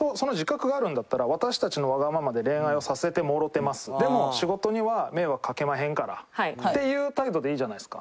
いやだからでも仕事には迷惑かけまへんからっていう態度でいいじゃないですか。